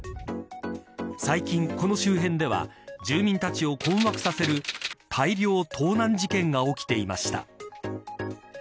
最近、この周辺では住民たちを困惑させる大量盗難事件が起きていました。